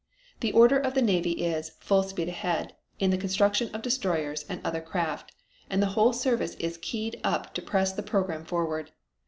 The order in all the Navy is 'Full speed ahead' in the construction of destroyers and other craft, and the whole service is keyed up to press this program forward.